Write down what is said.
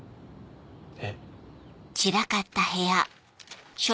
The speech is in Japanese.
えっ？